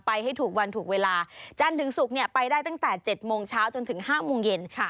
ให้ถูกวันถูกเวลาจันทร์ถึงศุกร์เนี่ยไปได้ตั้งแต่๗โมงเช้าจนถึง๕โมงเย็นค่ะ